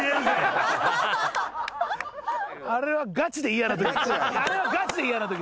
あれはガチで嫌なとき。